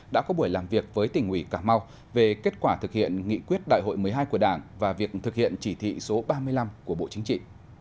đã có buổi làm việc với tỉnh ủy cà mau về kết quả thực hiện nghị quyết đại hội một mươi hai của đảng và việc thực hiện chỉ thị số ba mươi năm của bộ chính trị